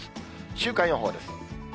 週間予報です。